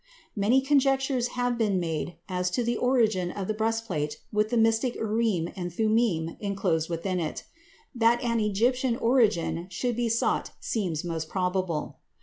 Many conjectures have been made as to the origin of the breastplate with the mystic Urim and Thummim enclosed within it. That an Egyptian origin should be sought seems most probable.